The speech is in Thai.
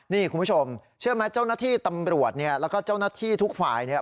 นี่คุณผู้ชมเชื่อไหมเจ้าหน้าที่ตำรวจเนี่ยแล้วก็เจ้าหน้าที่ทุกฝ่ายเนี่ย